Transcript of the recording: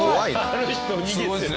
あの人逃げてる。